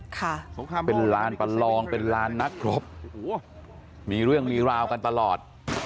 ค่ะเป็นลานประลองเป็นลานนักครบโอ้โหมีเรื่องมีราวกันตลอด